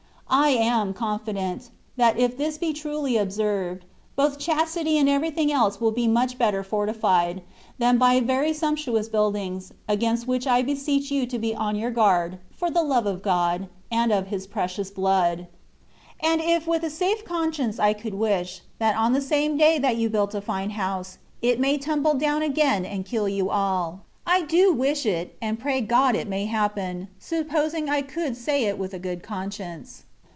'^• I am confident, that if this be truly observed, both chastity and every thing else will be much better fortified, than by very sumptuous buildings, against which I beseech you to be on your guard, for the love of God, and of His precious blood ; and if with a safe conscience I could wish, that on the same day that you build a fine house, it may tumble down again and kill you all, I do wish it, and pray God it may happen (supposing I could say it with a good conscience)